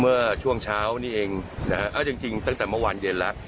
เมื่อช่วงเช้านี้เองนะฮะเอาจริงตั้งแต่เมื่อวานเย็นแล้ว